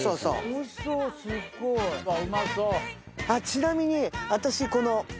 ちなみに私この。